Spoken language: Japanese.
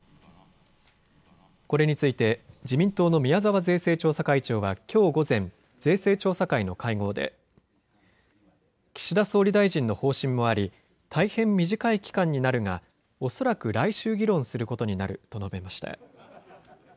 これについて自民党の宮沢税制調査会長はきょう午前、税制調査会の会合で岸田総理大臣の方針もあり大変、短い期間になるが恐らく来週議論することになると述べました。